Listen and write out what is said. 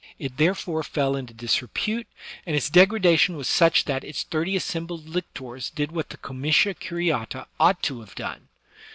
It therefore fell into disrepute; and its degradation was such that its thirty assembled lictors did what the comitia curiata ought to have done.